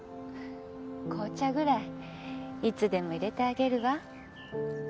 紅茶ぐらいいつでも入れてあげるわ。